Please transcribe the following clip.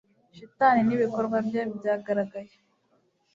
shitani n'ibikorwa bye byagaragaye